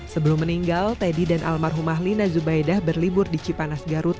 sebelum meninggal teddy dan almarhumah lina zubaidah berlibur di cipanas garut